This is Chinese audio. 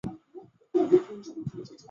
多做为下杂鱼处理。